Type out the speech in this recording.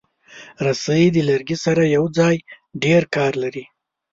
رسۍ د لرګي سره یوځای ډېر کار لري.